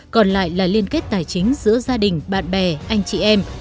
còn lại là liên kết tài chính giữa gia đình bạn bè anh chị em